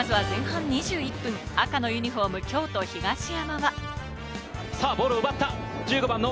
まずは前半２１分、赤のユニホーム、京都・東山。